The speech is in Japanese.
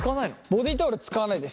ボディータオル使わないです。